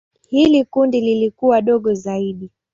Hili kundi lilikuwa dogo zaidi.